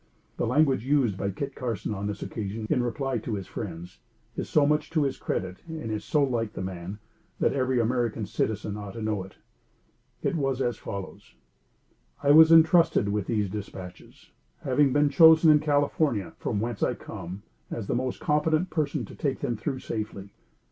The language used by Kit Carson on this occasion, in reply to his friends, is so much to his credit and is so like the man, that every American citizen ought to know it. It was as follows: "I was intrusted with these dispatches, having been chosen in California, from whence I come, as the most competent person to take them through safely.